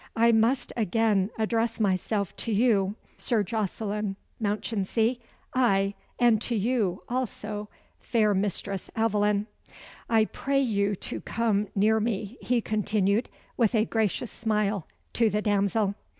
I must again address myself to you, Sir Jocelyn Mounchensey, ay, and to you, also, fair Mistress Aveline. I pray you to come near me," he continued, with a gracious smile, to the damsel.